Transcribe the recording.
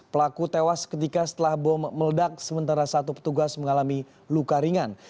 pelaku tewas ketika setelah bom meledak sementara satu petugas mengalami luka ringan